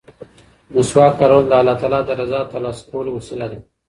مسواک کارول د الله تعالی د رضا د ترلاسه کولو وسیله ده.